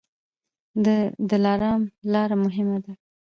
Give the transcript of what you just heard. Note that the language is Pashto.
د دلارام لاره مهمه ده